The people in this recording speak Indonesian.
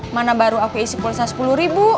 mana baru aku isi pulsa sepuluh ribu